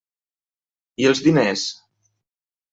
I els diners?